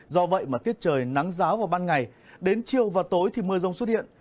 do vậy mà tiết trời nắng giáo vào ban ngày đến chiều và tối thì mưa rông xuất hiện